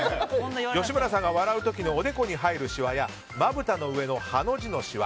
吉村さんが笑う時のおでこに入るしわやまぶたの上の八の字のしわ